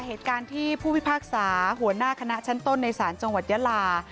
เหตุการณ์ที่ผู้พิพากษาหัวหน้าคณะชั้นต้นในศาลจังหวัดยาลา